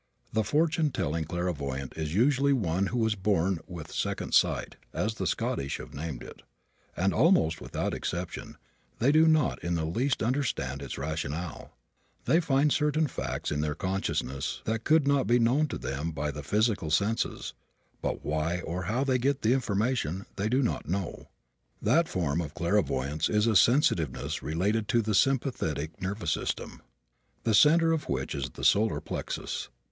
The fortune telling clairvoyant is usually one who was born with "second sight," as the Scotch have named it, and almost without an exception they do not in the least understand its rationale. They find certain facts in their consciousness that could not be known to them by the physical senses, but why or how they get the information they do not know. That form of clairvoyance is a sensitiveness related to the sympathetic nervous system, the center of which is the solar plexus.